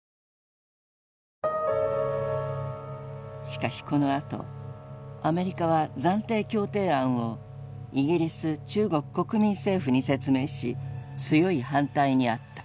しかしこのあとアメリカは暫定協定案をイギリス中国・国民政府に説明し強い反対に遭った。